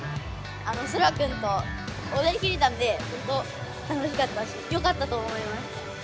あのソラくんとおどりきれたんでほんと楽しかったしよかったと思います。